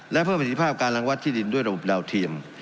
และเพิ่มสิทธิภาพการลังวัดที่ดินด้วยระมุดแบบเปลี่ยน